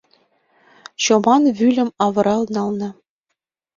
Чоман вӱльым авырал нална.